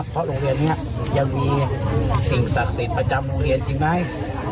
เพราะโรงเรียนนี้ยังมีสิ่งศักดิ์สิทธิ์ประจำโรงเรียนจริงไหม